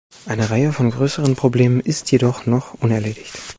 Eine Reihe von größeren Problemen ist jedoch noch unerledigt.